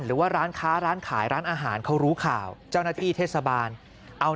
หรือว่าร้านค้าร้านขายร้านอาหารเขารู้ข่าวเจ้าหน้าที่เทศบาลเอา